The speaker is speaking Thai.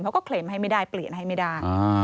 เขาก็เคลมให้ไม่ได้เปลี่ยนให้ไม่ได้